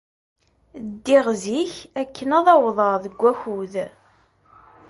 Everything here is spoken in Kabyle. Ddiɣ zik akken ad awḍeɣ deg wakud.